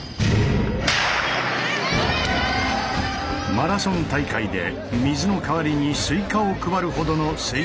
マラソン大会で水の代わりにスイカを配るほどのスイカの産地千葉県。